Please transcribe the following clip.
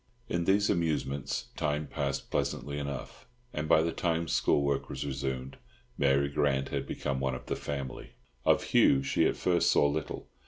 In these amusements time passed pleasantly enough, and by the time school work was resumed Mary Grant had become one of the family. Of Hugh she at first saw little.